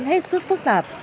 hết sức phức tạp